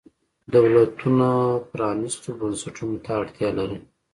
دولتونه پرانیستو بنسټونو ته اړتیا لري.